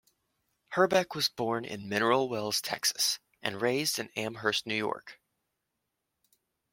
Herbeck was born in Mineral Wells, Texas, and raised in Amherst, New York.